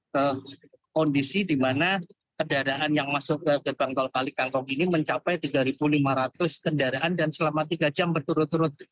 ke kondisi di mana kendaraan yang masuk ke gerbang tol kalikangkung ini mencapai tiga lima ratus kendaraan dan selama tiga jam berturut turut